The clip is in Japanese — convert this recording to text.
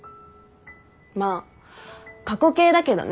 まあ過去形だけどね。